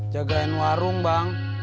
jagain warung bang